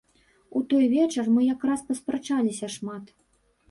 У той вечар мы як раз паспрачаліся шмат.